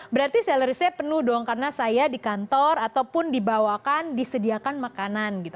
berarti sellery saya penuh dong karena saya di kantor ataupun dibawakan disediakan makanan gitu